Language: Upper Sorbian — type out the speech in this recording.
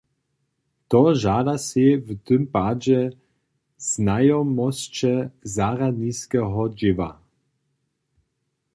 To žada sej w tym padźe znajomosće zarjadniskeho dźěła.